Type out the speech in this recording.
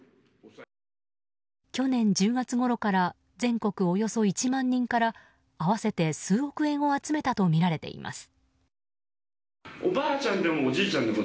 去年１０月ごろから全国およそ１万人から合わせて数億円を集めたとみられています。